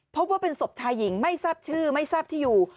พบว่าเป็นศพชายหญิงไม่ทราบชื่อไม่ทราบที่อยู่